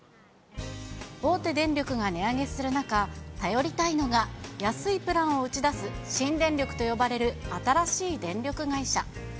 大手電力が値上げする中、頼りたいのが、安いプランを打ち出す新電力と呼ばれる新しい電力会社。